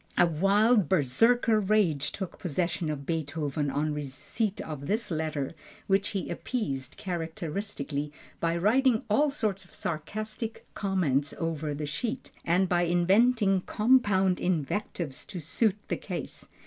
A wild Berserker rage took possession of Beethoven on receipt of this letter which he appeased characteristically by writing all sorts of sarcastic comments over the sheet, and by inventing compound invectives to suit the case.